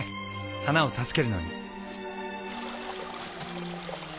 花を助けるのに。